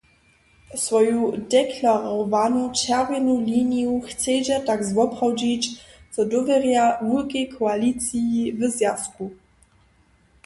Swoju deklarowanu čerwjenu liniju chcedźa tak zwoprawdźić, zo dowěrja wulkej koaliciji w Zwjazku.